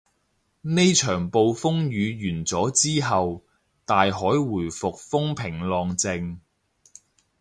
呢場暴風雨完咗之後，大海回復風平浪靜